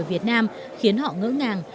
ở việt nam khiến họ ngỡ ngàng